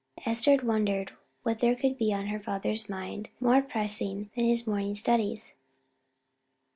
Esther wondered what there could be on her father's mind more pressing than his morning studies.